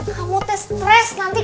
kamu tes stress nanti kayak si tatang